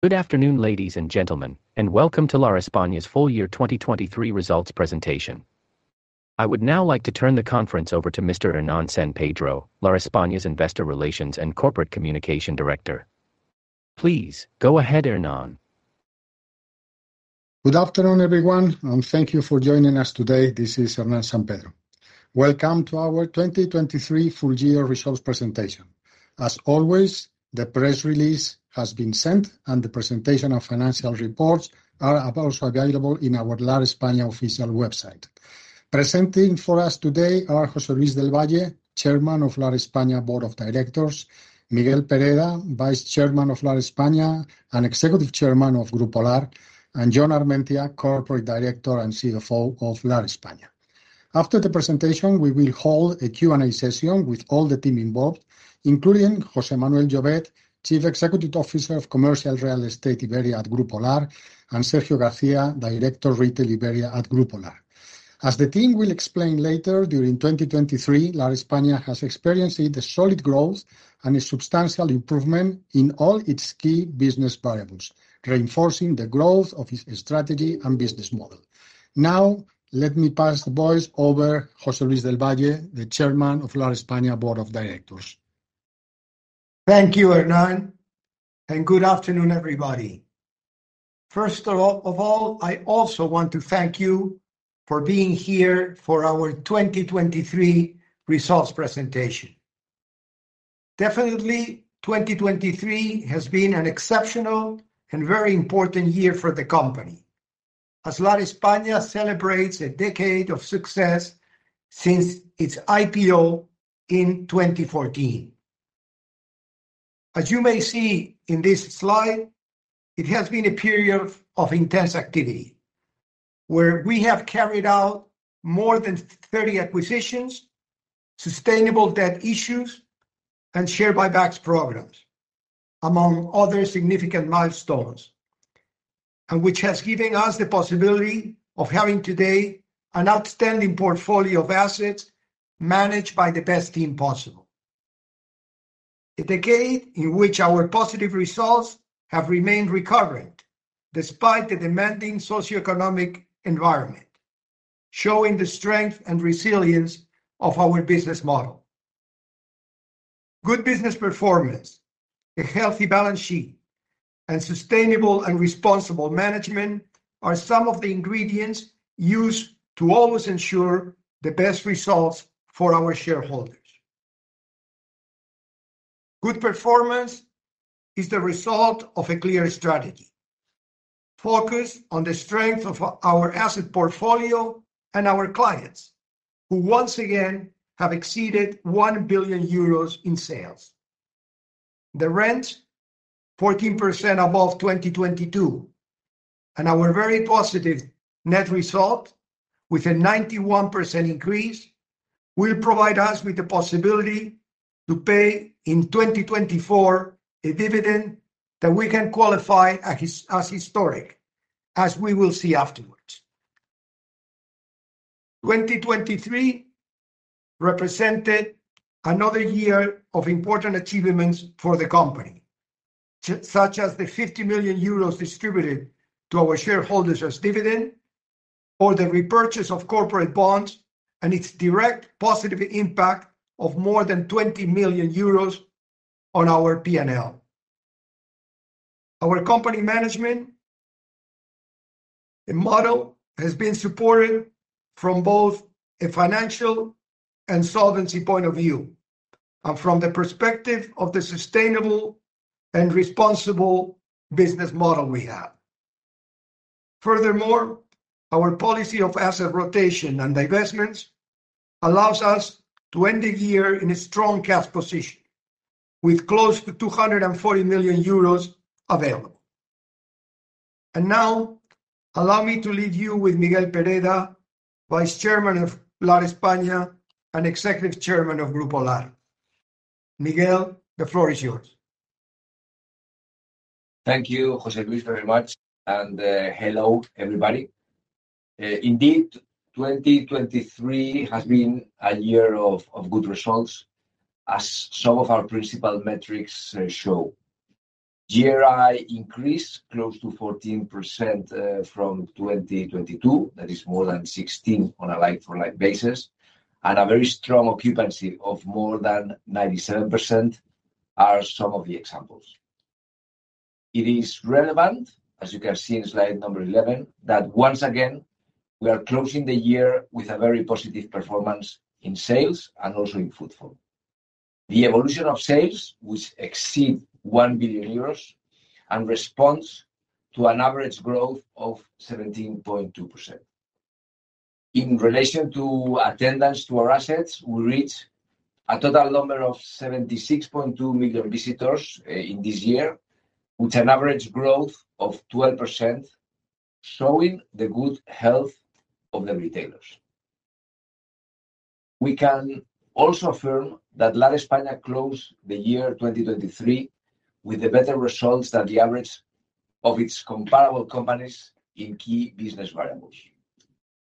Good afternoon, ladies and gentlemen, and welcome to Lar España's Full-year 2023 Results Presentation. I would now like to turn the conference over to Mr. Hernán San Pedro, Lar España's Investor Relations and Corporate Communication Director. Please, go ahead, Hernán. Good afternoon, everyone, and thank you for joining us today. This is Hernán San Pedro. Welcome to our 2023 full-year results presentation. As always, the press release has been sent, and the presentation of financial reports are also available in our Lar España official website. Presenting for us today are José Luis del Valle, Chairman of Lar España Board of Directors; Miguel Pereda, Vice Chairman of Lar España and Executive Chairman of Grupo Lar; and Jon Armentia, Corporate Director and CFO of Lar España. After the presentation, we will hold a Q&A session with all the team involved, including José Manuel Llovet, Chief Executive Officer of Commercial Real Estate Iberia at Grupo Lar, and Sergio García, Director Retail Iberia at Grupo Lar. As the team will explain later, during 2023 Lar España has experienced solid growth and a substantial improvement in all its key business variables, reinforcing the growth of its strategy and business model. Now let me pass the voice over to José Luis del Valle, the Chairman of Lar España Board of Directors. Thank you, Hernán, and good afternoon, everybody. First of all, I also want to thank you for being here for our 2023 results presentation. Definitely, 2023 has been an exceptional and very important year for the company, as Lar España celebrates a decade of success since its IPO in 2014. As you may see in this slide, it has been a period of intense activity, where we have carried out more than 30 acquisitions, sustainable debt issues, and share buybacks programs, among other significant milestones, and which has given us the possibility of having today an outstanding portfolio of assets managed by the best team possible. A decade in which our positive results have remained recurrent despite the demanding socioeconomic environment, showing the strength and resilience of our business model. Good business performance, a healthy balance sheet, and sustainable and responsible management are some of the ingredients used to always ensure the best results for our shareholders. Good performance is the result of a clear strategy, focused on the strength of our asset portfolio and our clients, who once again have exceeded 1 billion euros in sales. The rent, 14% above 2022, and our very positive net result, with a 91% increase, will provide us with the possibility to pay in 2024 a dividend that we can qualify as historic, as we will see afterwards. 2023 represented another year of important achievements for the company, such as the 50 million euros distributed to our shareholders as dividend, or the repurchase of corporate bonds and its direct positive impact of more than 20 million euros on our P&L. Our company management model has been supported from both a financial and solvency point of view, and from the perspective of the sustainable and responsible business model we have. Furthermore, our policy of asset rotation and divestments allows us to end the year in a strong cash position, with close to 240 million euros available. And now, allow me to leave you with Miguel Pereda, Vice Chairman of Lar España and Executive Chairman of Grupo Lar. Miguel, the floor is yours. Thank you, José Luis, very much, and hello, everybody. Indeed, 2023 has been a year of good results, as some of our principal metrics show. GRI increased close to 14% from 2022, that is more than 16% on a like-for-like basis, and a very strong occupancy of more than 97% are some of the examples. It is relevant, as you can see in slide number 11, that once again we are closing the year with a very positive performance in sales and also in footfall. The evolution of sales, which exceeds 1 billion euros, responds to an average growth of 17.2%. In relation to attendance to our assets, we reached a total number of 76.2 million visitors in this year, with an average growth of 12%, showing the good health of the retailers. We can also affirm that Lar España closed the year 2023 with better results than the average of its comparable companies in key business variables.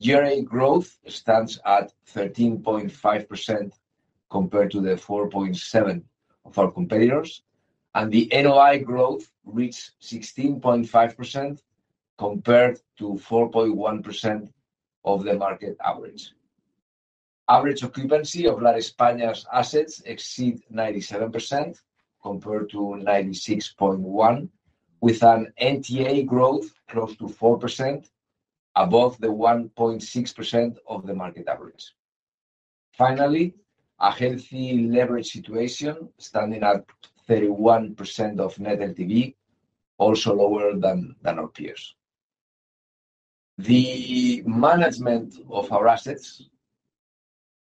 GRI growth stands at 13.5% compared to the 4.7% of our competitors, and the NOI growth reached 16.5% compared to 4.1% of the market average. Average occupancy of Lar España's assets exceeds 97% compared to 96.1%, with NTA growth close to 4%, above the 1.6% of the market average. Finally, a healthy leverage situation, standing at 31% of net LTV, also lower than our peers. The management of our assets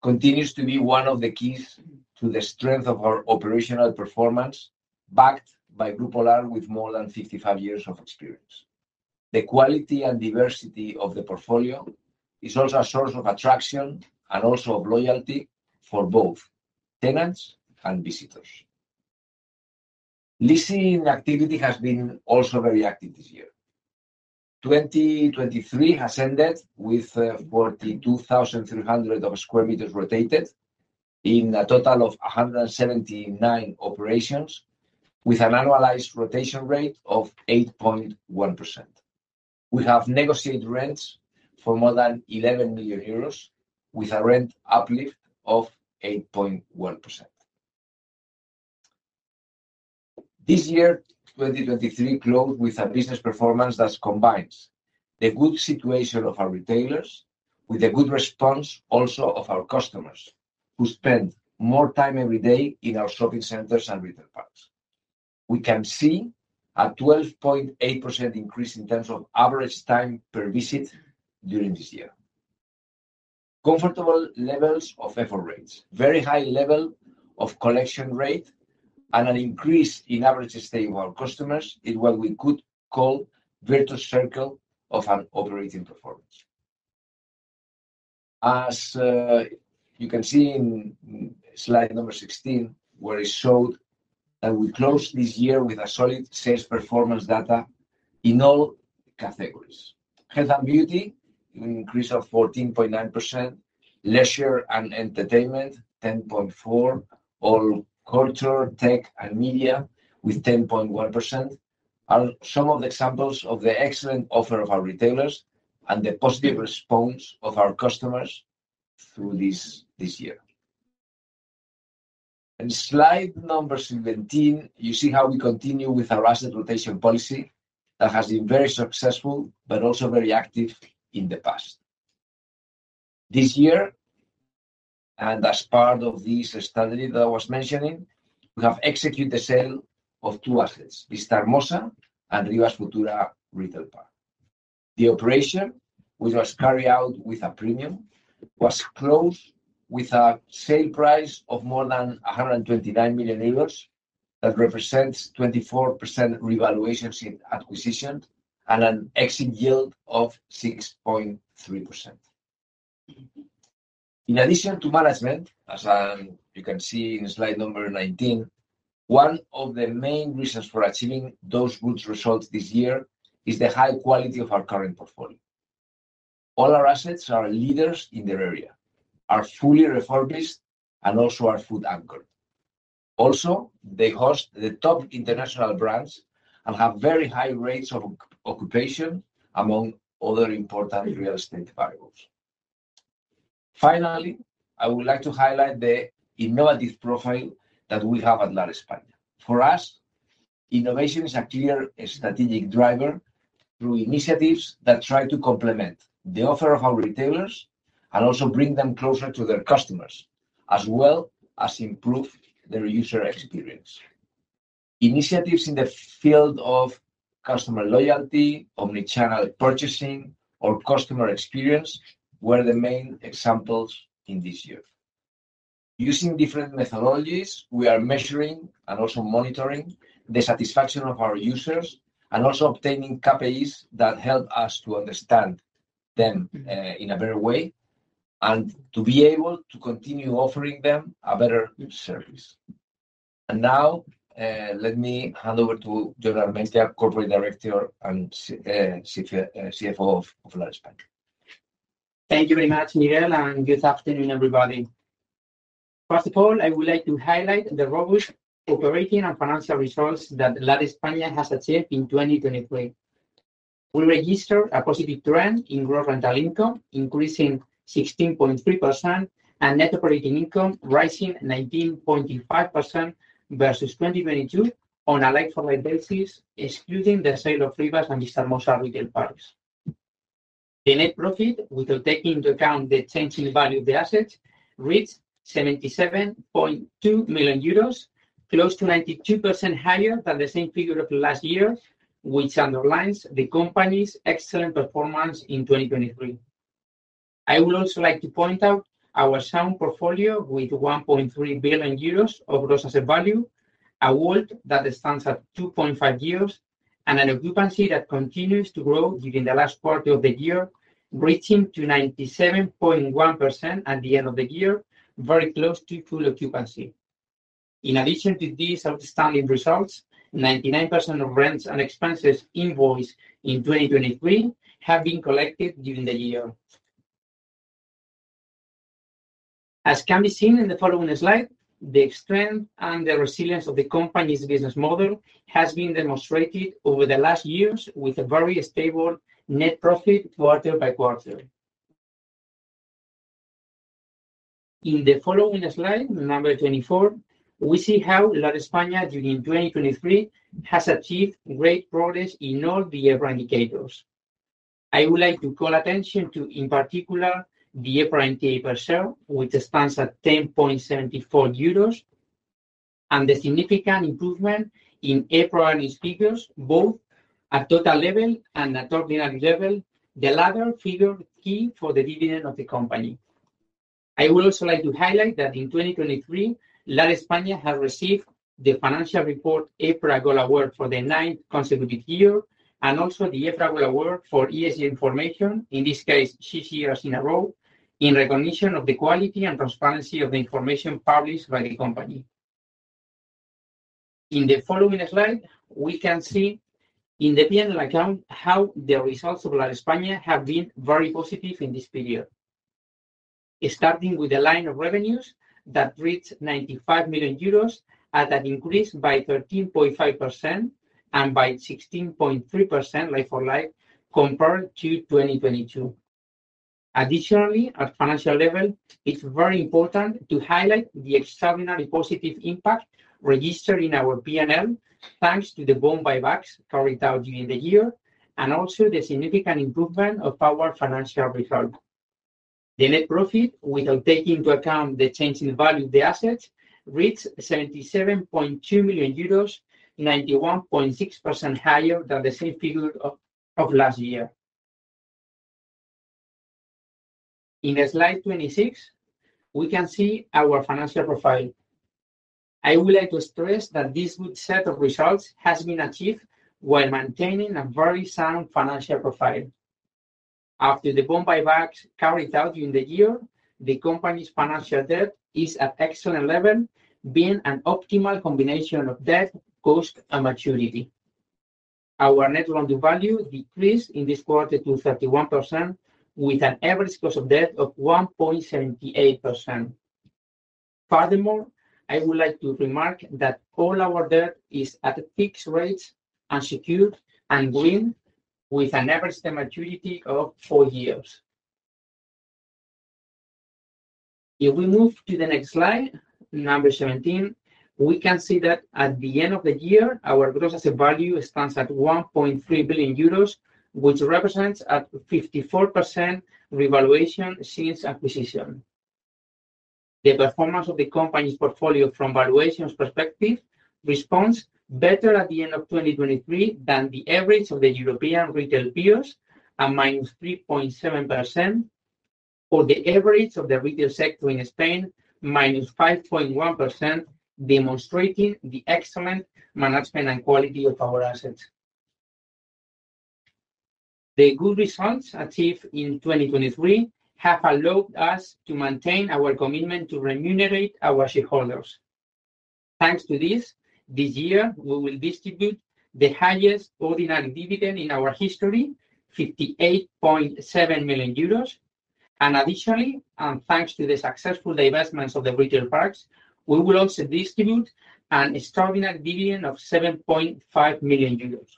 continues to be one of the keys to the strength of our operational performance, backed by Grupo Lar with more than 55 years of experience. The quality and diversity of the portfolio is also a source of attraction and also of loyalty for both tenants and visitors. Leasing activity has been also very active this year. 2023 has ended with 42,300 square meters rotated in a total of 179 operations, with an annualized rotation rate of 8.1%. We have negotiated rents for more than 11 million euros, with a rent uplift of 8.1%. This year, 2023, closed with a business performance that combines the good situation of our retailers with the good response also of our customers, who spend more time every day in our shopping centers and retail parks. We can see a 12.8% increase in terms of average time per visit during this year. Comfortable levels of effort rates, very high level of collection rate, and an increase in average stay with our customers is what we could call a virtuous circle of operating performance. As you can see in slide 16, where it showed that we closed this year with solid sales performance data in all categories: Health and Beauty, an increase of 14.9%; Leisure and Entertainment, 10.4%; All Culture, Tech, and Media, with 10.1%, are some of the examples of the excellent offer of our retailers and the positive response of our customers through this year. In slide 17, you see how we continue with our asset rotation policy that has been very successful but also very active in the past. This year, and as part of this study that I was mentioning, we have executed a sale of 2 assets, Vistahermosa and Rivas Futura Retail Park. The operation, which was carried out with a premium, was closed with a sale price of more than 129 million euros that represents 24% revaluation acquisition and an exit yield of 6.3%. In addition to management, as you can see in slide number 19, one of the main reasons for achieving those good results this year is the high quality of our current portfolio. All our assets are leaders in their area, are fully refurbished, and also are food-anchored. Also, they host the top international brands and have very high rates of occupation among other important real estate variables. Finally, I would like to highlight the innovative profile that we have at Lar España. For us, innovation is a clear strategic driver through initiatives that try to complement the offer of our retailers and also bring them closer to their customers, as well as improve their user experience. Initiatives in the field of customer loyalty, omnichannel purchasing, or customer experience were the main examples in this year. Using different methodologies, we are measuring and also monitoring the satisfaction of our users and also obtaining KPIs that help us to understand them in a better way and to be able to continue offering them a better service. And now, let me hand over to Jon Armentia, Corporate Director and CFO of Lar España. Thank you very much, Miguel, and good afternoon, everybody. First of all, I would like to highlight the robust operating and financial results that Lar España has achieved in 2023. We registered a positive trend in gross rental income, increasing 16.3%, and net operating income rising 19.5% versus 2022 on a like-for-like basis, excluding the sale of Rivas and Vistahermosa retail parks. The net profit, without taking into account the changing value of the assets, reached 77.2 million euros, close to 92% higher than the same figure of last year, which underlines the company's excellent performance in 2023. I would also like to point out our sound portfolio with 1.3 billion euros of gross asset value, a WAULT that stands at 2.5 years, and an occupancy that continues to grow during the last part of the year, reaching 97.1% at the end of the year, very close to full occupancy. In addition to these outstanding results, 99% of rents and expenses invoiced in 2023 have been collected during the year. As can be seen in the following slide, the strength and the resilience of the company's business model has been demonstrated over the last years with a very stable net profit quarter by quarter. In the following slide, number 24, we see how Lar España, during 2023, has achieved great progress in all the EPRA indicators. I would like to call attention to, in particular, the EPRA NTA per share, which stands at 10.74 euros, and the significant improvement in EPRA earnings figures, both at total level and at ordinary level, the latter figure key for the dividend of the company. I would also like to highlight that in 2023, Lar España has received the Financial Report EPRA Gold Award for the ninth consecutive year and also the EPRA Gold Award for ESG information, in this case, six years in a row, in recognition of the quality and transparency of the information published by the company. In the following slide, we can see in the P&L account how the results of Lar España have been very positive in this period. Starting with the line of revenues that reached 95 million euros at an increase by 13.5% and by 16.3% like-for-like compared to 2022. Additionally, at financial level, it's very important to highlight the extraordinary positive impact registered in our P&L, thanks to the bond buybacks carried out during the year and also the significant improvement of our financial result. The net profit, without taking into account the changing value of the assets, reached 77.2 million euros, 91.6% higher than the same figure of last year. In slide 26, we can see our financial profile. I would like to stress that this good set of results has been achieved while maintaining a very sound financial profile. After the bond buybacks carried out during the year, the company's financial debt is at excellent level, being an optimal combination of debt, cost, and maturity. Our net loan-to-value decreased in this quarter to 31%, with an average cost of debt of 1.78%. Furthermore, I would like to remark that all our debt is at fixed rates, unsecured, and green, with an average term maturity of four years. If we move to the next slide, number 17, we can see that at the end of the year, our gross asset value stands at 1.3 billion euros, which represents 54% revaluation since acquisition. The performance of the company's portfolio, from valuations perspective, responds better at the end of 2023 than the average of the European retail peers, a -3.7%, or the average of the retail sector in Spain, -5.1%, demonstrating the excellent management and quality of our assets. The good results achieved in 2023 have allowed us to maintain our commitment to remunerate our shareholders. Thanks to this, this year we will distribute the highest ordinary dividend in our history, 58.7 million euros. And additionally, and thanks to the successful divestments of the retail parks, we will also distribute an extraordinary dividend of 7.5 million euros.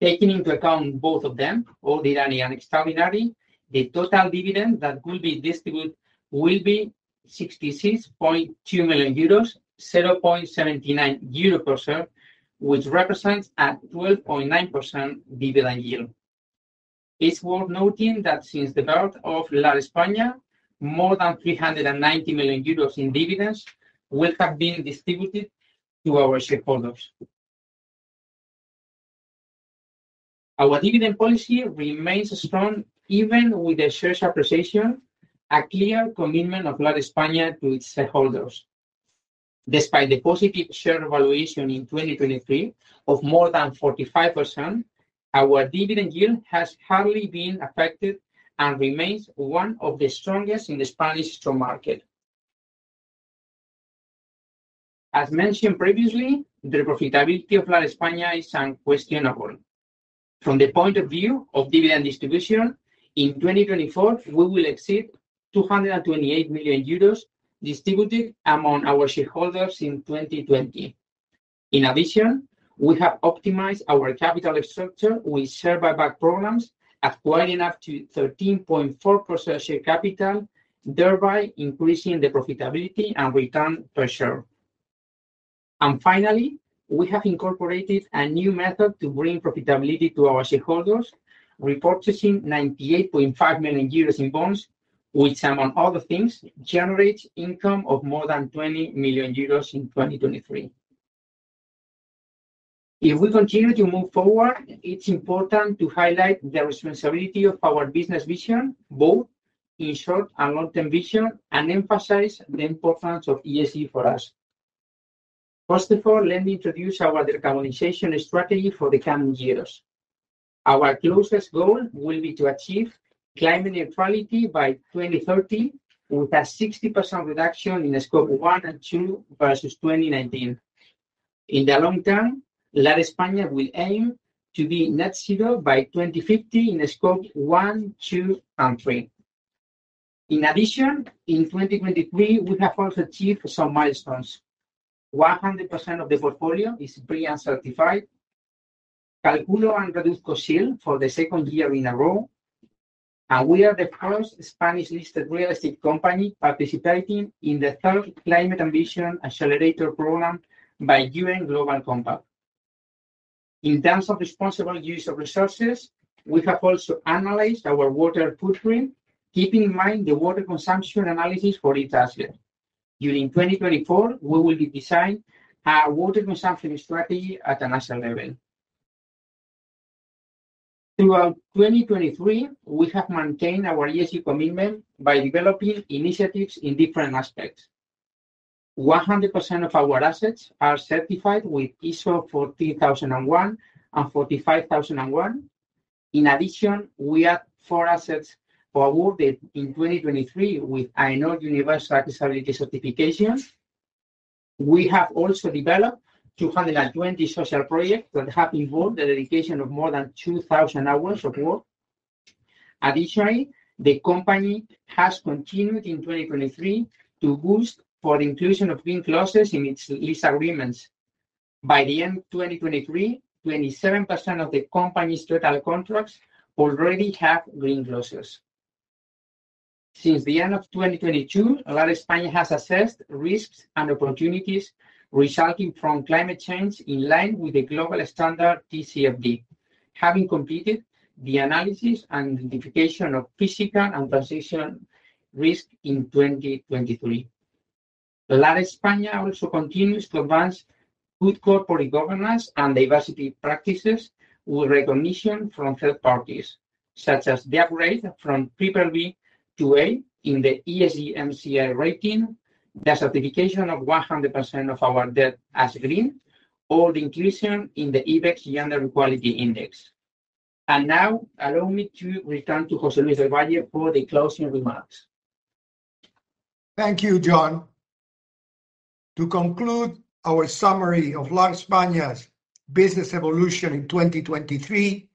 Taking into account both of them, ordinary and extraordinary, the total dividend that will be distributed will be 66.2 million euros, 0.79 euro per share, which represents a 12.9% dividend yield. It's worth noting that since the birth of Lar España, more than 390 million euros in dividends will have been distributed to our shareholders. Our dividend policy remains strong even with the shares' appreciation, a clear commitment of Lar España to its shareholders. Despite the positive share valuation in 2023 of more than 45%, our dividend yield has hardly been affected and remains one of the strongest in the Spanish stock market. As mentioned previously, the profitability of Lar España is unquestionable. From the point of view of dividend distribution, in 2024, we will exceed 228 million euros distributed among our shareholders in 2020. In addition, we have optimized our capital structure with share buyback programs acquiring up to 13.4% share capital, thereby increasing the profitability and return per share. Finally, we have incorporated a new method to bring profitability to our shareholders, repurchasing 98.5 million euros in bonds, which, among other things, generates income of more than 20 million euros in 2023. If we continue to move forward, it's important to highlight the responsibility of our business vision, both in short and long-term vision, and emphasize the importance of ESG for us. First of all, let me introduce our decarbonization strategy for the coming years. Our closest goal will be to achieve climate neutrality by 2030 with a 60% reduction in Scope 1 and 2 versus 2019. In the long term, Lar España will aim to be net zero by 2050 in Scope 1, 2, and 3. In addition, in 2023, we have also achieved some milestones. 100% of the portfolio is pre-certified, Cálculo y Reduzco Seal for the 2nd year in a row, and we are the first Spanish-listed real estate company participating in the 3rd Climate Ambition Accelerator program by UN Global Compact. In terms of responsible use of resources, we have also analyzed our water footprint, keeping in mind the water consumption analysis for each asset. During 2024, we will design a water consumption strategy at a national level. Throughout 2023, we have maintained our ESG commitment by developing initiatives in different aspects. 100% of our assets are certified with ISO 14001 and ISO 45001. In addition, we add four assets awarded in 2023 with AENOR Universal Accessibility Certification. We have also developed 220 social projects that have involved the dedication of more than 2,000 hours of work. Additionally, the company has continued in 2023 to push for the inclusion of green clauses in its lease agreements. By the end of 2023, 27% of the company's total contracts already have green clauses. Since the end of 2022, Lar España has assessed risks and opportunities resulting from climate change in line with the global standard TCFD, having completed the analysis and identification of physical and transition risk in 2023. Lar España also continues to advance good corporate governance and diversity practices with recognition from third parties, such as the upgrade from BBB to A in the ESG MSCI rating, the certification of 100% of our debt as green, or the inclusion in the IBEX Gender Equality Index. Now, allow me to return to José Luis del Valle for the closing remarks. Thank you, Jon. To conclude our summary of Lar España's business evolution in 2023,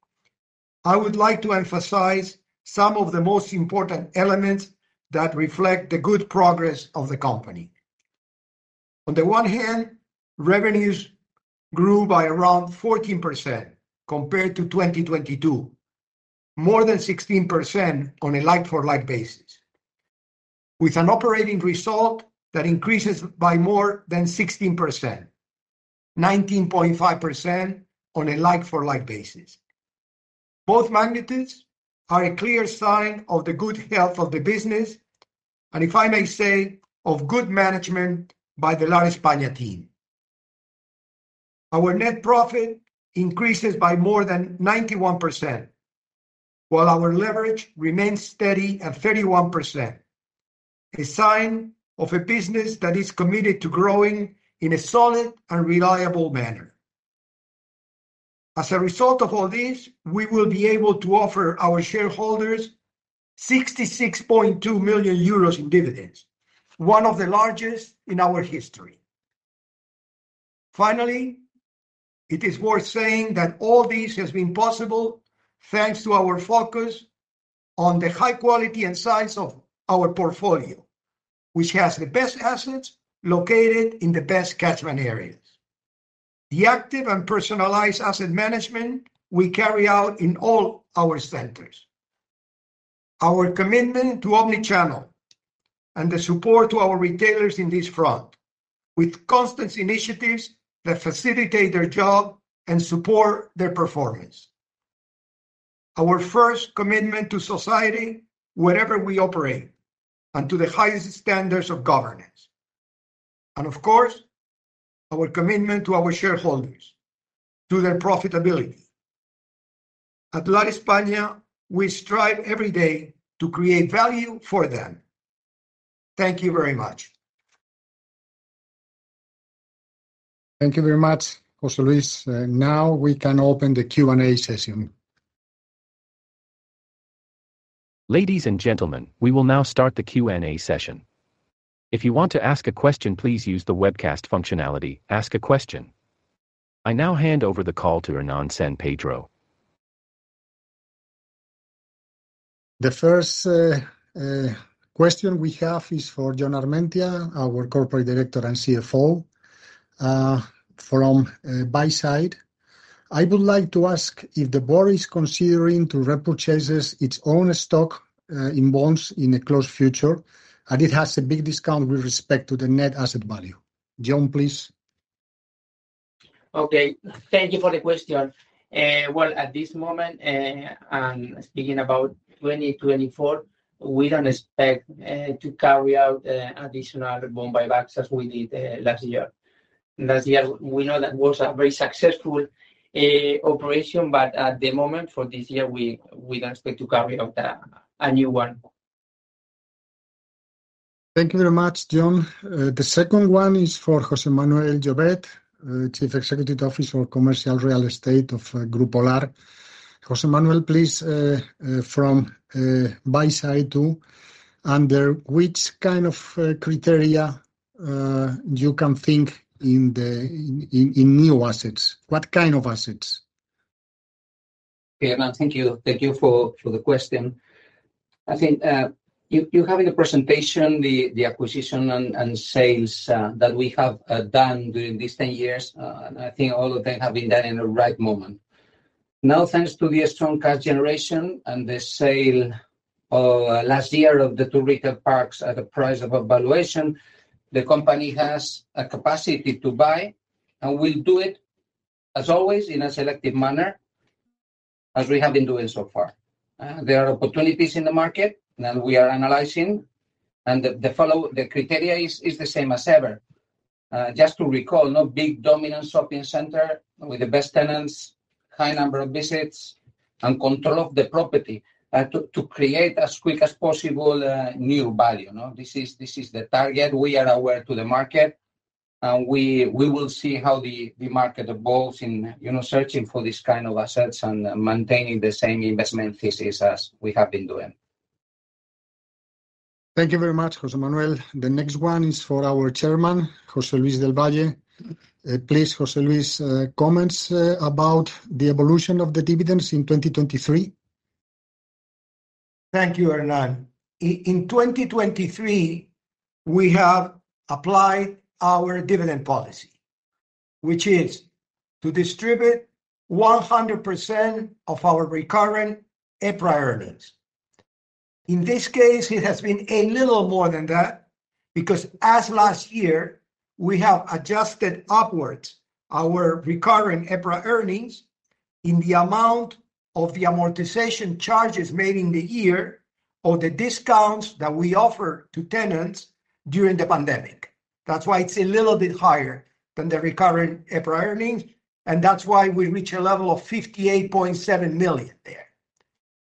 I would like to emphasize some of the most important elements that reflect the good progress of the company. On the one hand, revenues grew by around 14% compared to 2022, more than 16% on a like-for-like basis, with an operating result that increases by more than 16%, 19.5% on a like-for-like basis. Both magnitudes are a clear sign of the good health of the business, and if I may say, of good management by the Lar España team. Our net profit increases by more than 91%, while our leverage remains steady at 31%, a sign of a business that is committed to growing in a solid and reliable manner. As a result of all this, we will be able to offer our shareholders 66.2 million euros in dividends, one of the largest in our history. Finally, it is worth saying that all this has been possible thanks to our focus on the high quality and size of our portfolio, which has the best assets located in the best catchment areas. The active and personalized asset management we carry out in all our centers, our commitment to omnichannel, and the support to our retailers in this front, with constant initiatives that facilitate their job and support their performance. Our first commitment to society wherever we operate and to the highest standards of governance. And of course, our commitment to our shareholders, to their profitability. At Lar España, we strive every day to create value for them. Thank you very much. Thank you very much, José Luis. Now we can open the Q&A session. Ladies and gentlemen, we will now start the Q&A session. If you want to ask a question, please use the webcast functionality, "Ask a Question." I now hand over the call to Hernán San Pedro. The first question we have is for Jon Armentia, our Corporate Director and CFO, from the buy side. I would like to ask if the board is considering repurchasing its own stock in bonds in the close future, and it has a big discount with respect to the net asset value. Jon, please. Okay. Thank you for the question. Well, at this moment, and speaking about 2024, we don't expect to carry out additional bond buybacks as we did last year. Last year, we know that was a very successful operation, but at the moment, for this year, we don't expect to carry out a new one. Thank you very much, Jon. The second one is for José Manuel Llovet, Chief Executive Officer of Commercial Real Estate of Grupo Lar. José Manuel, please, from the buy side too, under which kind of criteria you can think in new assets? What kind of assets? Okay, Hernán, thank you. Thank you for the question. I think you have in the presentation the acquisition and sales that we have done during these 10 years, and I think all of them have been done in the right moment. Now, thanks to the strong cash generation and the sale last year of the 2 retail parks at the price of valuation, the company has a capacity to buy and will do it, as always, in a selective manner as we have been doing so far. There are opportunities in the market that we are analyzing, and the criteria is the same as ever. Just to recall, big dominant shopping center with the best tenants, high number of visits, and control of the property to create as quick as possible new value. This is the target. We are aware of the market, and we will see how the market evolves in searching for these kinds of assets and maintaining the same investment thesis as we have been doing. Thank you very much, José Manuel. The next one is for our Chairman, José Luis del Valle. Please, José Luis, comments about the evolution of the dividends in 2023. Thank you, Hernán. In 2023, we have applied our dividend policy, which is to distribute 100% of our recurrent EPRA earnings. In this case, it has been a little more than that because, as last year, we have adjusted upwards our recurrent EPRA earnings in the amount of the amortization charges made in the year or the discounts that we offer to tenants during the pandemic. That's why it's a little bit higher than the recurrent EPRA earnings, and that's why we reached a level of 58.7 million there.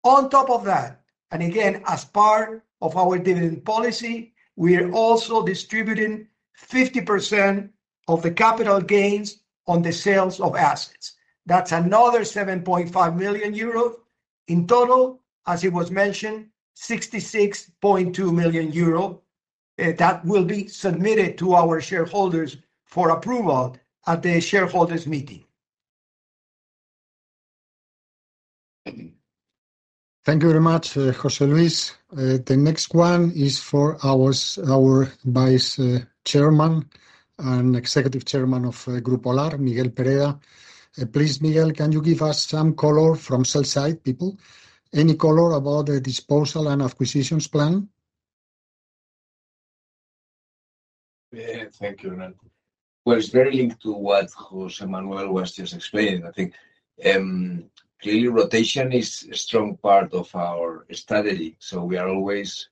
On top of that, and again, as part of our dividend policy, we are also distributing 50% of the capital gains on the sales of assets. That's another 7.5 million euros in total. As it was mentioned, 66.2 million euros that will be submitted to our shareholders for approval at the shareholders' meeting. Thank you very much, José Luis. The next one is for our Vice Chairman and Executive Chairman of Grupo Lar, Miguel Pereda. Please, Miguel, can you give us some color from sell-side people, any color about the disposal and acquisitions plan? Yeah, thank you, Hernán. Well, it's very linked to what José Manuel was just explaining. I think clearly rotation is a strong part of our strategy, so we are always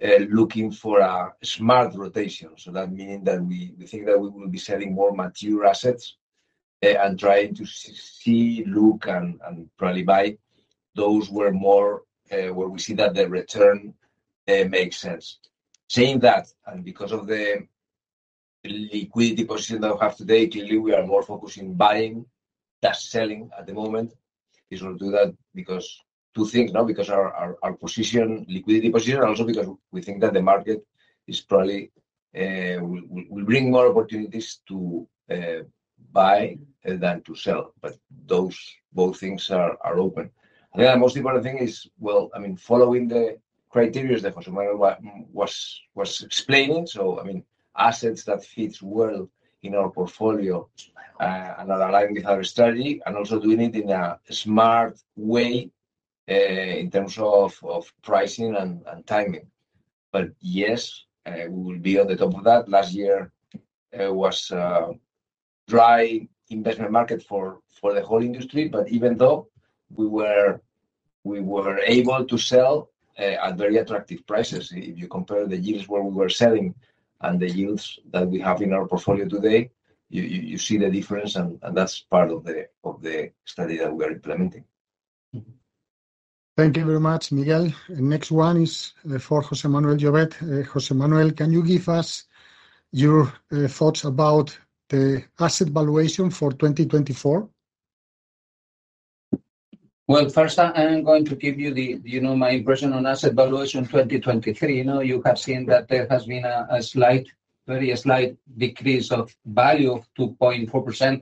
looking for a smart rotation. So that means that we think that we will be selling more mature assets and trying to see, look, and probably buy those where we see that the return makes sense. Saying that, and because of the liquidity position that we have today, clearly we are more focused on buying than selling at the moment. This will do that because two things, because our position, liquidity position, and also because we think that the market will bring more opportunities to buy than to sell. But both things are open. I think the most important thing is, well, I mean, following the criteria that José Manuel was explaining. So, I mean, assets that fit well in our portfolio and are aligned with our strategy and also doing it in a smart way in terms of pricing and timing. But yes, we will be on the top of that. Last year was a dry investment market for the whole industry. But even though we were able to sell at very attractive prices, if you compare the yields where we were selling and the yields that we have in our portfolio today, you see the difference, and that's part of the study that we are implementing. Thank you very much, Miguel. Next one is for José Manuel Llovet. José Manuel, can you give us your thoughts about the asset valuation for 2024? Well, first, I'm going to give you my impression on asset valuation 2023. You have seen that there has been a very slight decrease of value of 2.4%,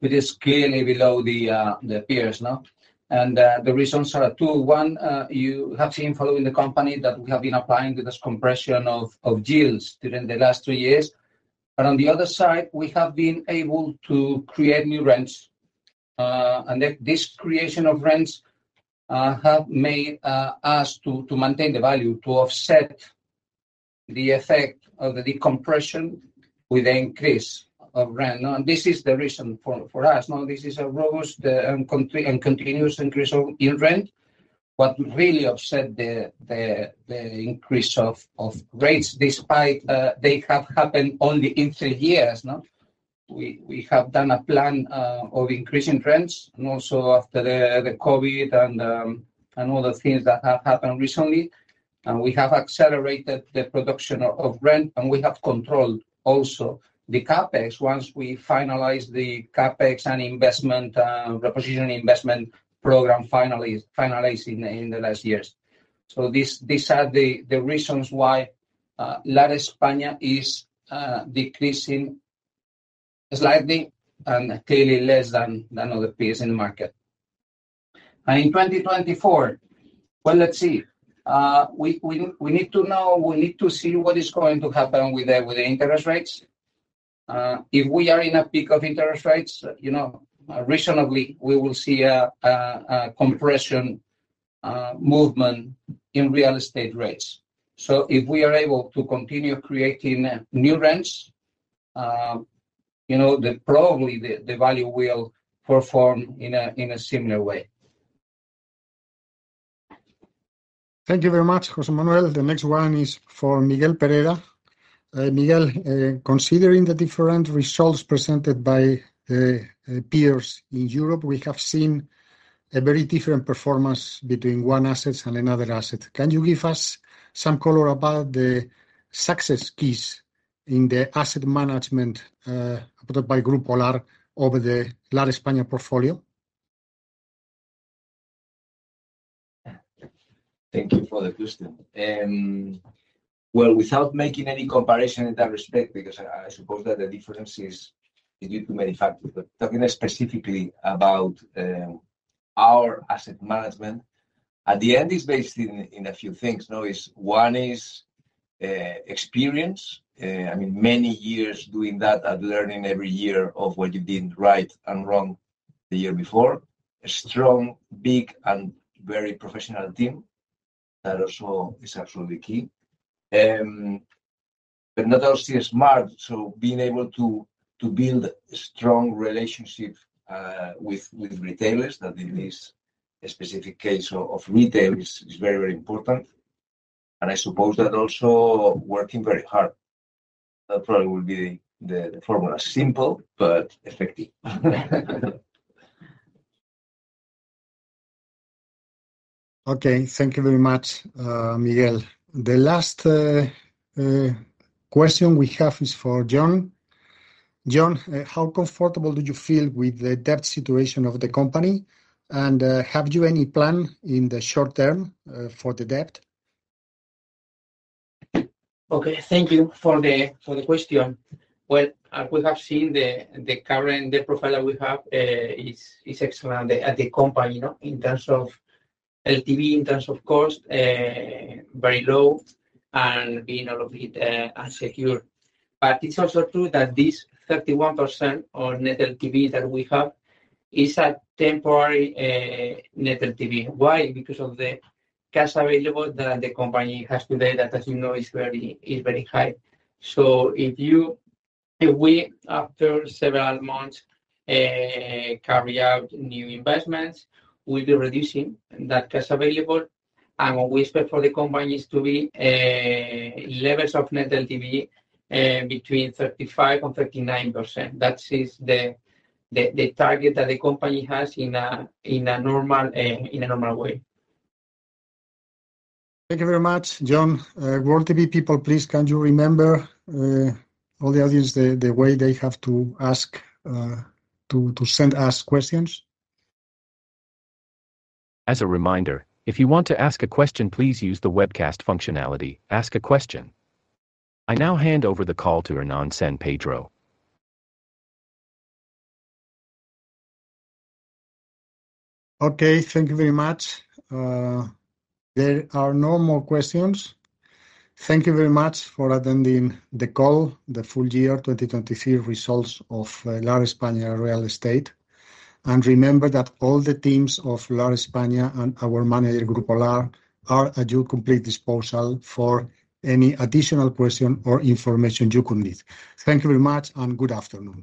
which is clearly below the peers. And the reasons are two. One, you have seen following the company that we have been applying to this compression of yields during the last three years. But on the other side, we have been able to create new rents. And this creation of rents has made us to maintain the value, to offset the effect of the decompression with the increase of rent. And this is the reason for us. This is a robust and continuous increase in rent, what really offset the increase of rates, despite they have happened only in three years. We have done a plan of increasing rents and also after the COVID and all the things that have happened recently. We have accelerated the production of rent, and we have controlled also the CapEx once we finalized the CapEx and reposition investment program finalized in the last years. So these are the reasons why Lar España is decreasing slightly and clearly less than other peers in the market. And in 2024, well, let's see. We need to know we need to see what is going to happen with the interest rates. If we are in a peak of interest rates, reasonably, we will see a compression movement in real estate rates. So if we are able to continue creating new rents, probably the value will perform in a similar way. Thank you very much, José Manuel. The next one is for Miguel Pereda. Miguel, considering the different results presented by peers in Europe, we have seen a very different performance between one asset and another asset. Can you give us some color about the success keys in the asset management put up by Grupo Lar over the Lar España portfolio? Thank you for the question. Well, without making any comparison in that respect, because I suppose that the difference is due to many factors. But talking specifically about our asset management, at the end, it's based in a few things. One is experience. I mean, many years doing that and learning every year of what you did right and wrong the year before. A strong, big, and very professional team that also is absolutely key. But not all see it as smart. So being able to build a strong relationship with retailers, that in this specific case of retail, is very, very important. And I suppose that also working very hard. That probably will be the formula: simple but effective. Okay. Thank you very much, Miguel. The last question we have is for Jon. Jon, how comfortable do you feel with the debt situation of the company? And have you any plan in the short term for the debt? Okay. Thank you for the question. Well, we have seen the current debt profile that we have is excellent at the company in terms of LTV, in terms of cost, very low, and being a little bit unsecured. But it's also true that this 31% of net LTV that we have is a temporary net LTV. Why? Because of the cash available that the company has today that, as you know, is very high. So if we, after several months, carry out new investments, we'll be reducing that cash available. And what we expect for the company is to be levels of net LTV between 35%-39%. That is the target that the company has in a normal way. Thank you very much, Jon. World TV people, please, can you remember all the audience, the way they have to ask to send us questions? As a reminder, if you want to ask a question, please use the webcast functionality, "Ask a Question." I now hand over the call to Hernán San Pedro. Okay. Thank you very much. There are no more questions. Thank you very much for attending the call, the full year 2023 results of Lar España Real Estate. Remember that all the teams of Lar España and our manager, Grupo Lar, are at your complete disposal for any additional question or information you could need. Thank you very much, and good afternoon.